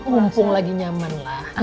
mumpung lagi nyaman lah